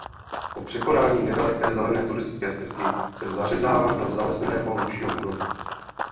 Po překonání nedaleké zelené turistické stezky se zařezává do zalesněného hlubšího údolí.